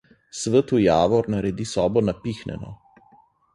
Svetel javor naredi sobo napihnjeno.